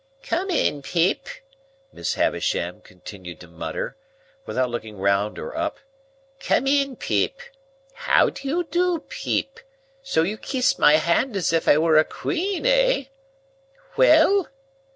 "Come in, Pip," Miss Havisham continued to mutter, without looking round or up; "come in, Pip, how do you do, Pip? so you kiss my hand as if I were a queen, eh?—Well?"